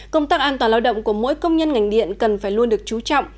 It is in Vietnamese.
công tác an toàn lao động của mỗi công nhân ngành điện cần phải luôn được chú trọng